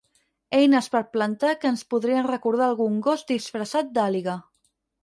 Eines per plantar que ens podrien recordar algun gos disfressat d'àliga.